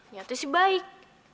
nyatuh si baik